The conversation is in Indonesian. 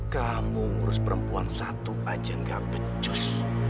kamu ngurus perempuan satu aja gak pecus